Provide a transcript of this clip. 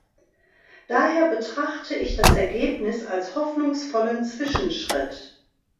Daher betrachte ich das Ergebnis als hoffnungsvollen Zwischenschritt.